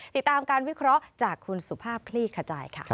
ติดตามการวิเคราะห์จากคุณสุภาพคลี่ขจายค่ะ